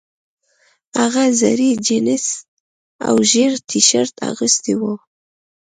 هغه زړې جینس او ژیړ ټي شرټ اغوستی و